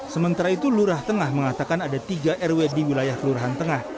sementara itu lurah tengah mengatakan ada tiga rw di wilayah kelurahan tengah